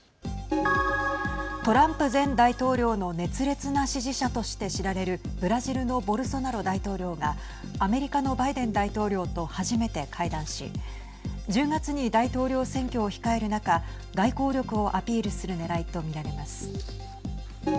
トランプ前大統領の熱烈な支持者として知られるブラジルのボルソナロ大統領がアメリカのバイデン大統領と初めて会談し１０月に大統領選挙を控える中外交力をアピールするねらいとみられます。